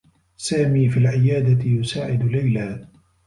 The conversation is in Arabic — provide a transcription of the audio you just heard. سامي في العيادة، يساعد ليلى.